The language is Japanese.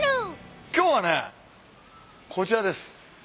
今日はねこちらです。